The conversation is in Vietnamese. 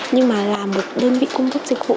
nhưng mà là một đơn vị cung cấp dịch vụ